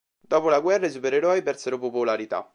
Dopo la guerra i supereroi persero popolarità.